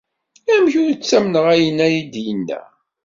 Amek ur ttamneɣ ayen ay d-yenna?